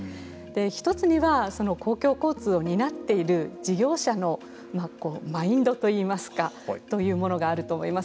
一つには公共交通を担っている事業者のマインドというものがあると思います。